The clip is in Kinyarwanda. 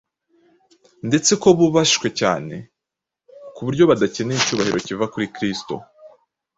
ndetse ko bubashwe cyane ku buryo badakeneye icyubahiro kiva kuri Kristo.